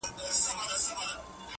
سوله كوم خو زما دوه شرطه به حتمآ منې.